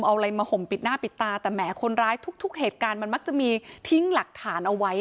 เอาอะไรมาห่มปิดหน้าปิดตาแต่แหมคนร้ายทุกเหตุการณ์มันมักจะมีทิ้งหลักฐานเอาไว้